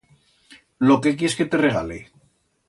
Lo qué quiers que te regale?